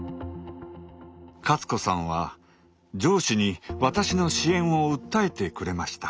勝子さんは上司に私の支援を訴えてくれました。